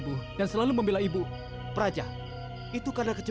bertahanlah untuk aku suci